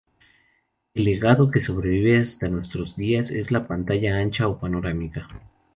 El legado que sobrevive hasta nuestros días es la pantalla ancha o panorámica.